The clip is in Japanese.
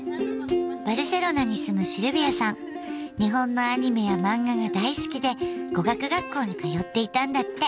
バルセロナに住む日本のアニメやマンガが大好きで語学学校に通っていたんだって。